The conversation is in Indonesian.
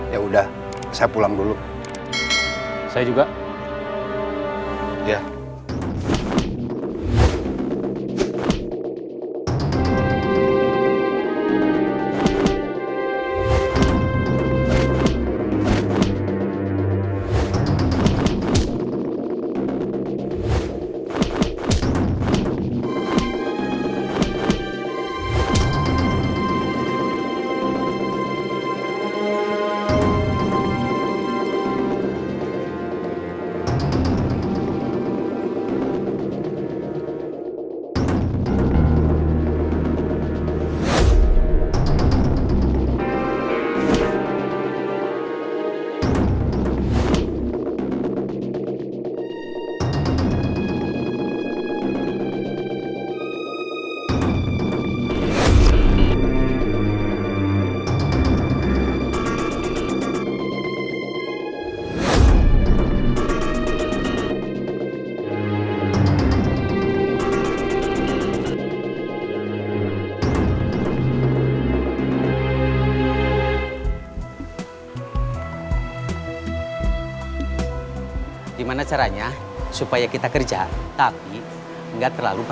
yaudah saya pulang dulu